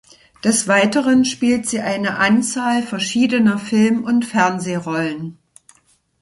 Des Weiteren spielt sie eine Anzahl verschiedener Film- und Fernsehrollen.